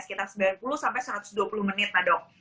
sekitar sembilan puluh sampai satu ratus dua puluh menit lah dok